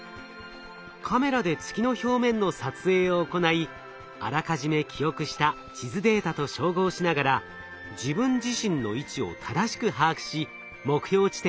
カメラで月の表面の撮影を行いあらかじめ記憶した地図データと照合しながら自分自身の位置を正しく把握し目標地点へと移動します。